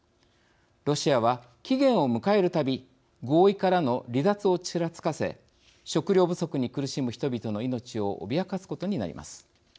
ロシアは、期限を迎えるたび合意からの離脱をちらつかせ食料不足に苦しむ人々の命を脅かすことになります。